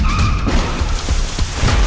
ya udah aku nelfon